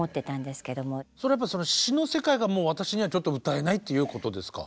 それは詞の世界が私にはちょっと歌えないっていうことですか？